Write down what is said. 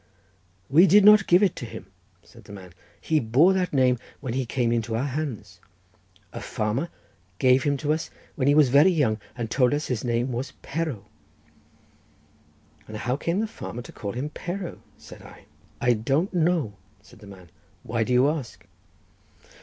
"We did not give it to him," said the man—"he bore that name when he came into our hands; a farmer gave him to us when he was very young, and told us his name was Perro." "And how came the farmer to call him Perro?" said I. "I don't know," said the man—"why do you ask?"